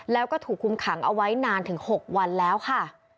แล้วก็ถูกคุมขังเอาไว้นานถึง๖วันแล้วค่ะ